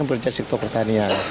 yang bercerita sektor pertanian